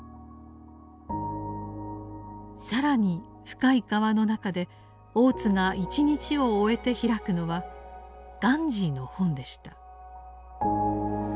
更に「深い河」の中で大津が一日を終えて開くのはガンジーの本でした。